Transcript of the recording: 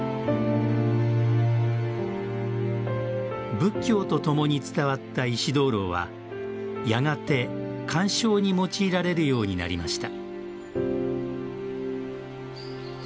仏教とともに伝わった石燈籠はやがて、観賞に用いられるようになりました。